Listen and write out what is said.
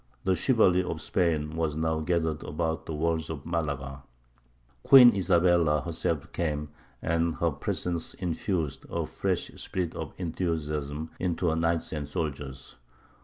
The chivalry of Spain was now gathered about the walls of Malaga; Queen Isabella herself came, and her presence infused a fresh spirit of enthusiasm into her knights and soldiers.